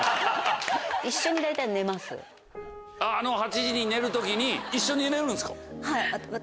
８時に寝る時に一緒に寝るんですか？